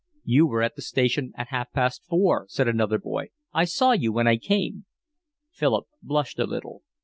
"You were at the station at half past four," said another boy. "I saw you when I came." Philip blushed a little.